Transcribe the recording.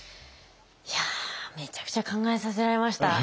いやめちゃくちゃ考えさせられました。